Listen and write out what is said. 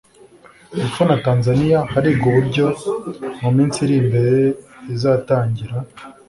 Epfo na Tanzania Harigwa uburyo mu minsi iri imbere izatangira